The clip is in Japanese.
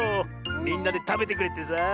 みんなでたべてくれってさあ。